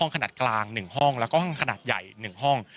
ขนาดกลาง๑ห้องแล้วก็ห้องขนาดใหญ่๑ห้อง